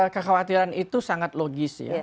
kekhawatiran itu sangat logis ya